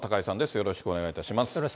よろしくお願いします。